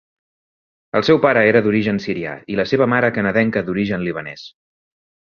El seu pare era d'origen sirià i la seva mare canadenca d'origen libanès.